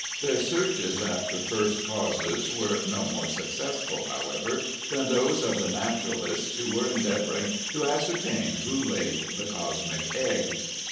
Their searches after first causes were no more successful, however, than those of the naturalists who are endeavoring to ascertain who laid the cosmic egg.